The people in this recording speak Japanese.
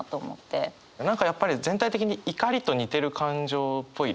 何かやっぱり全体的に怒りと似てる感情っぽいですよね。